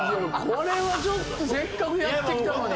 これはちょっとせっかくやってきたのに。